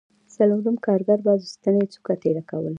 څلورم کارګر به د ستنې څوکه تېره کوله